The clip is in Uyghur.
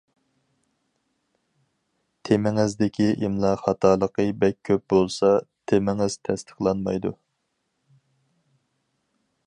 تېمىڭىزدىكى ئىملا خاتالىقى بەك كۆپ بولسا، تېمىڭىز تەستىقلانمايدۇ.